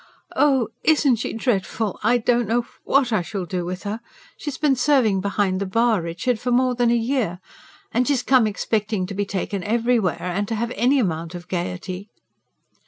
"Oh, isn't she dreadful? I don't know WHAT I shall do with her. She's been serving behind the bar, Richard, for more than a year. And she's come expecting to be taken everywhere and to have any amount of gaiety."